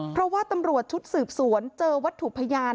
เพราะว่าตำรวจชุดสืบสวนเจอวัตถุพยาน